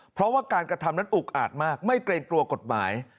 เพราะว่าการกระทำนั้นอุกอาจมากไม่เกรงกลัวกฎหมาย